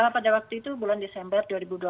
pada waktu itu bulan desember dua ribu dua puluh